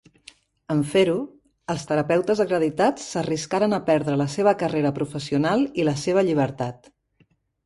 En fer-ho, els terapeutes acreditats s'arriscaren a perdre la seva carrera professional i la seva llibertat.